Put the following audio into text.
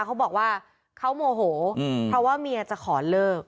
เขาบอกว่าเขาโมโหเพราะว่าเมียจะขอเลิก